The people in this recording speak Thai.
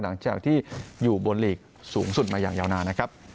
หลังจากที่อยู่บนหลีกสูงสุดมาอย่างยาวนานนะครับ